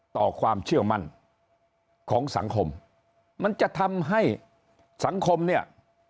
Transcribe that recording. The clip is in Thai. ต่อความเชื่อมั่นของสังคมมันจะทำให้สังคมเนี่ย